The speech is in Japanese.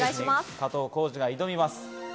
加藤浩次が挑みます。